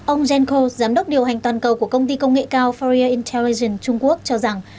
ông jenko giám đốc điều hành toàn cầu của công ty công nghệ cao faria intellagen trung quốc cho rằng